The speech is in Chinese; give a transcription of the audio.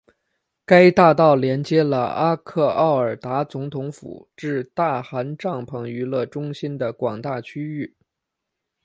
该大道连接了阿克奥尔达总统府至大汗帐篷娱乐中心的广大区域。